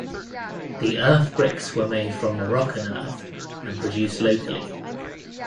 The earth bricks were made from Moroccan earth and produced locally.